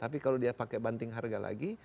tapi kalau dia pakai banting harga lagi